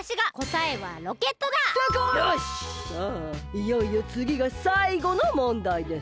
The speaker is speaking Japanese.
いよいよつぎがさいごの問だいです。